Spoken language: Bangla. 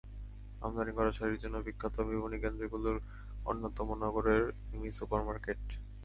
আমদানি করা শাড়ির জন্য বিখ্যাত বিপণিকেন্দ্রগুলোর অন্যতম নগরের মিমি সুপার মার্কেট।